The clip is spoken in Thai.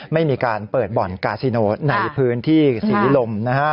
ไม่มีการเปิดบ่อนกาซิโนในพื้นที่ศรีลมนะฮะ